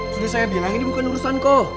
sudah saya bilang ini bukan urusan kok